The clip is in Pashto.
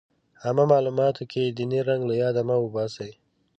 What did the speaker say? عامه معلوماتو کې ديني رنګ له ياده مه وباسئ.